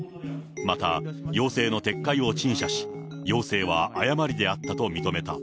また、要請の撤回を陳謝し、要請は誤りであったと認めた。